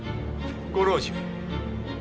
ご老中。